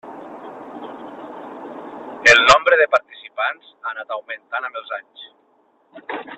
El nombre de participants ha anat augmentant amb els anys.